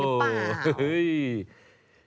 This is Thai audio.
จริงหรือเปล่า